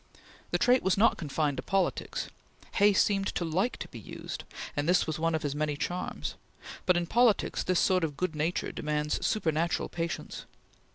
The trait was not confined to politics. Hay seemed to like to be used, and this was one of his many charms; but in politics this sort of good nature demands supernatural patience.